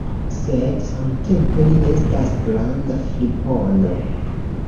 Sed samtempe li estas granda fripono!